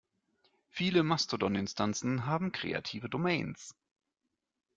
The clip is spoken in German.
Viele Mastodon-Instanzen haben kreative Domains.